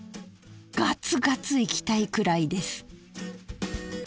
ガツガツいきたいくらいです。